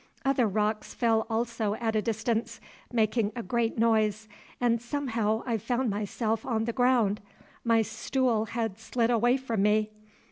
Other rocks fell also at a distance, making a great noise, and somehow I found myself on the ground, my stool had slid away from me.